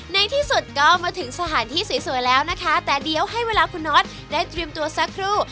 ในที่สุดก็มาถึงสถานที่สวยแล้วนะคะแต่เดี๋ยวให้เวลาคุณน็อตได้เตรียมตัวสักครู่